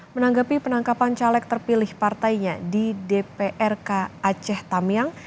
menanggapi penangkapan caleg terpilih partainya di dprk aceh tamiang